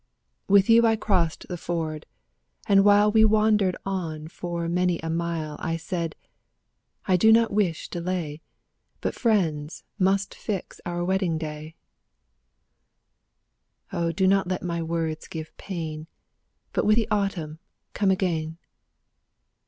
With you I crossed the ford, and while We wandered on for many a mile I said, "I do not wish delay. But friends must fix our wedding day Oh, do not let my words give pain, But with the autumn come again."